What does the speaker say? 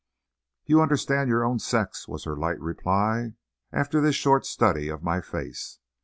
"You understand your own sex," was her light reply, after this short study of my face.